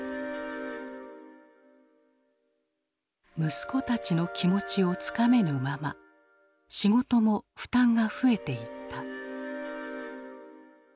息子たちの気持ちをつかめぬまま仕事も負担が増えていった。